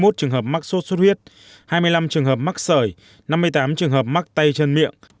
hai mươi một trường hợp mắc sốt xuất huyết hai mươi năm trường hợp mắc sởi năm mươi tám trường hợp mắc tay chân miệng